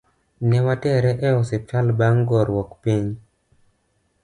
Newatere e osiptal bang goruok piny.